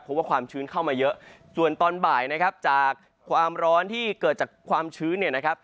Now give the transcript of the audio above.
เพราะว่าความชื้นเข้ามาเยอะส่วนตอนบ่ายนะครับจากความร้อนที่เกิดจากความชื้นเนี่ยนะครับ